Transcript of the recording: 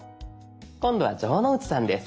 今度は城之内さんです。